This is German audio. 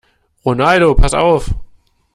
Ronaldo, pass auf!